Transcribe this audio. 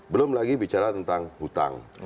belum lagi bicara tentang hutang